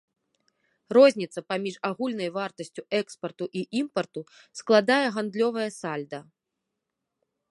Розніца паміж агульнай вартасцю экспарту і імпарту складае гандлёвае сальда.